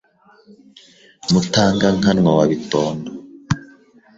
Mutangankanwa wa Bitondo